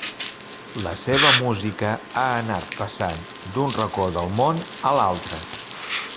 La seva música ha anat passant d'un racó del món a l'altre.